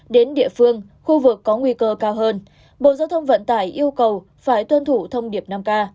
đến địa phương khu vực có nguy cơ cao hơn bộ giao thông vận tải yêu cầu phải tuân thủ thông điệp năm k